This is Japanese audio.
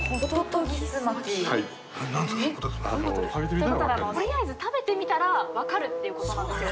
とりあえず食べてみたらわかるっていう事なんですよ。